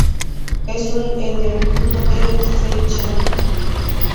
Es un endemismo de Seychelles.